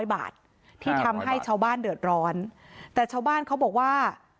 บาทที่ทำให้ชาวบ้านเดือดร้อนแต่ชาวบ้านเขาบอกว่า